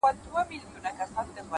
ستادی ؛ستادی؛ ستادی فريادي گلي؛